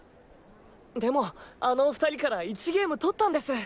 でもあのお２人から１ゲーム取ったんです。